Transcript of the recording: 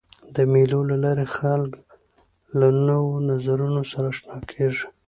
د مېلو له لاري خلک له نوو نظرونو سره آشنا کيږي.